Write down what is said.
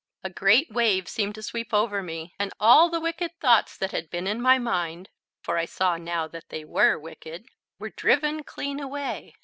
A great wave seemed to sweep over me, and all the wicked thoughts that had been in my mind for I saw now that they were wicked were driven clean away.